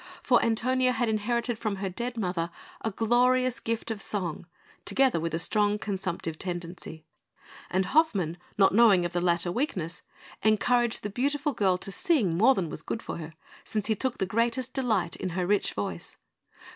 For Antonia had inherited from her dead mother a glorious gift of song, together with a strong consumptive tendency; and Hoffmann, not knowing of the latter weakness, encouraged the beautiful girl to sing more than was good for her, since he took the greatest delight in her rich voice.